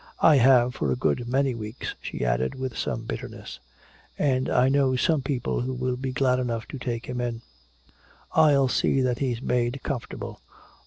I have, for a good many weeks," she added, with some bitterness. "And I know some people who will be glad enough to take him in. I'll see that he's made comfortable.